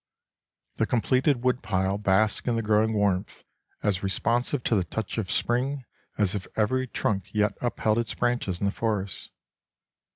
The completed woodpile basks in the growing warmth, as responsive to the touch of spring as if every trunk yet upheld its branches in the forest.